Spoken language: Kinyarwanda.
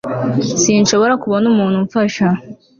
sinshobora kubona umuntu umfasha